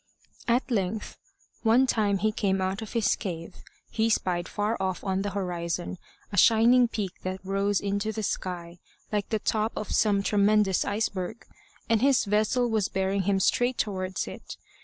At length, one time he came out of his cave, he spied far off on the horizon, a shining peak that rose into the sky like the top of some tremendous iceberg; and his vessel was bearing him straight towards it.